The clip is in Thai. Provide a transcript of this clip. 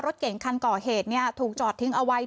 รถเก่งคันก่อเหตุถูกจอดทิ้งเอาไว้